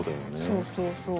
そうそうそう。